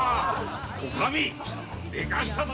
おかみでかしたぞ！